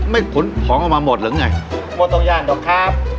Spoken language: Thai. ไม่ฝนภองกับมาหมดหรือไงหมดตรงยานดอกครับ